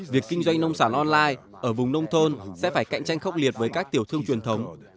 việc kinh doanh nông sản online ở vùng nông thôn sẽ phải cạnh tranh khốc liệt với các tiểu thương truyền thống